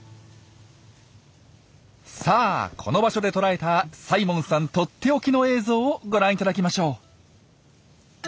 さあこの場所で捉えたサイモンさんとっておきの映像をご覧いただきましょう！